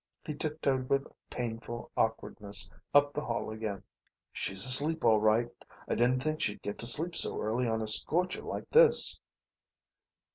He tiptoed with painful awkwardness up the hall again. "She's asleep, all right. I didn't think she'd get to sleep so early on a scorcher like this."